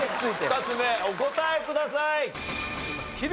２つ目お答えください。